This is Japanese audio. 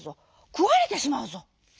くわれてしまうぞ」。